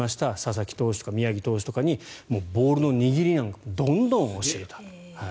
ＶＴＲにありました佐々木投手とか宮城投手とかにボール握りなんかどんどん教えた。